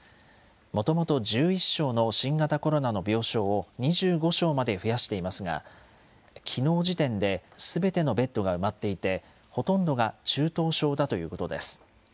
もともと１１床の新型コロナの病床を２５床まで増やしていますが、きのう時点ですべてのベッドが埋まっていて、ほとんどが中等症だということです。